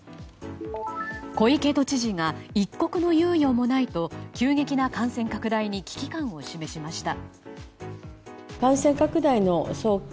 小池都知事が一刻の猶予もないと急激な感染拡大に危機感を示しました。